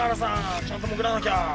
ちゃんと潜らなきゃ。